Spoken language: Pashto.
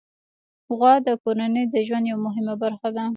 غوا د کورنۍ د ژوند یوه مهمه برخه ده.